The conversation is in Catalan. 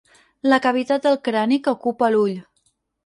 La cavitat del crani que ocupa l'ull.